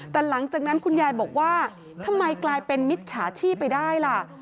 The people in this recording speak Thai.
แต่หลังจากนั้นคุณยายบอกว่าทำไมกลายเป็นมิจฉาชีพไปได้ล่ะ